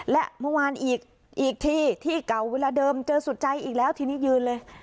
และเมื่อวานอีกทีที่เก่าเวลาเดิมเจอสุดใจอีกแล้วทีนี้ยืนเลย